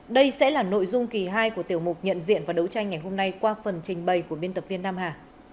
đây sẽ là nội dung kỳ hai của tiểu mục nhận diện và đấu tranh ngày hôm nay qua phần trình bày của biên tập viên nam hà